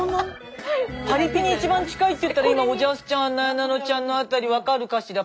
パリピに一番近いっていったら今おじゃすちゃんなえなのちゃんの辺り分かるかしら？